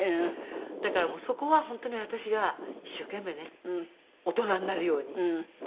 だからそこは本当に私が一生懸命ね大人になるように頑張りました。